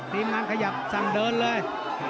ทีมงานขยับสั่งเดินเลย